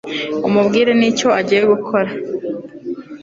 umubwire nicyo agiye gukora